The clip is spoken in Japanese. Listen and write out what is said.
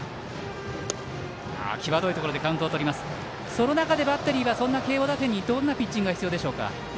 その中でバッテリーは慶応打線にどんなピッチングが必要でしょう。